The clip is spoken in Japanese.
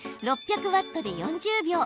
６００ワットで４０秒。